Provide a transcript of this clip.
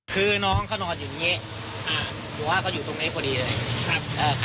คือน้องเขานอนอยู่อย่างนี้หัวก็อยู่ตรงนี้พอดีเลยครับ